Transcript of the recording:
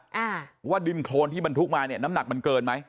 เพราะว่าดินโครนที่มันถูกมาน้ำหนักมันเกินไหม